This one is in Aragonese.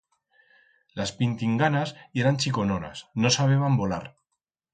Las pintinganas yeran chicononas, no sabeban volar.